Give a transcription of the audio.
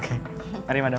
oke mari madam